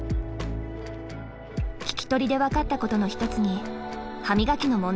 聞き取りで分かったことの一つに歯磨きの問題があります。